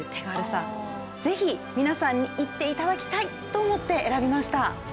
是非皆さんに行って頂きたいと思って選びました。